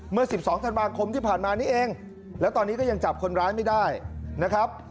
เมื่อ๑๒ธันวาคมที่ผ่านมานี้เองแล้วตอนนี้ก็ยังจับคนร้ายไม่ได้นะครับ